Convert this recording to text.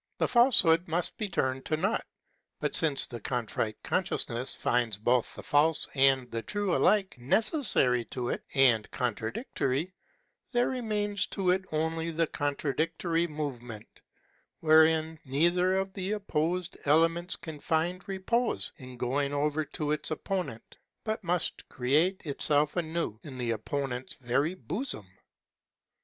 The falsehood must be turned to naught ; but since the Contrite Consciousness finds both the false and the true alike necessary to it, and contradictory, there remains to it only the contradictory movement, wherein neither of the opposed ele ments can find repose in going over to its opponent but must create itself anew in the opponent's very bosom.